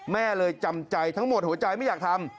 แม่เลยจำใจทั้งหมดหัวใจไม่อยากทำ